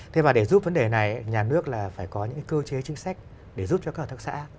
thế và để giúp vấn đề này nhà nước là phải có những cơ chế chính sách để giúp cho các hợp tác xã